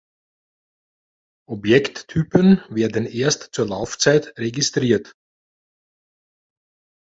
Objekttypen werden erst zur Laufzeit registriert.